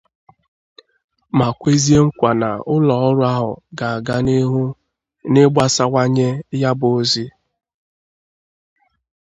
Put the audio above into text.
ma kwezie nkwà na ụlọ ọrụ ahụ ga-aga n'ihu n'ịgbasawànye ya bụ ozi